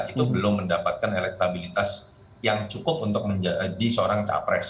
itu belum mendapatkan elektabilitas yang cukup untuk menjadi seorang capres